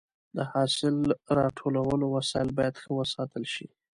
د حاصل راټولولو وسایل باید ښه وساتل شي.